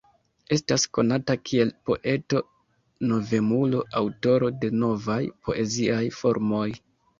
Estas konata kiel poeto-novemulo, aŭtoro de novaj poeziaj formoj.